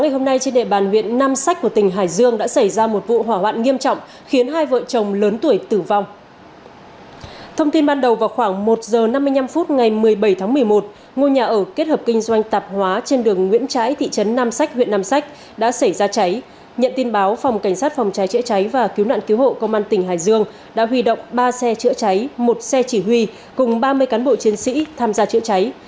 hệ động ba xe chữa cháy một xe chỉ huy cùng ba mươi cán bộ chiến sĩ tham gia chữa cháy